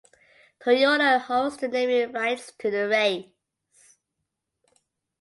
Toyota holds the naming rights to the race.